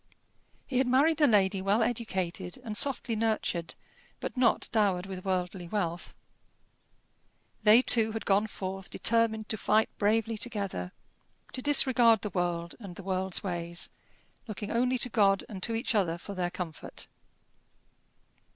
He had married a lady well educated and softly nurtured, but not dowered with worldly wealth. They two had gone forth determined to fight bravely together; to disregard the world and the world's ways, looking only to God and to each other for their comfort.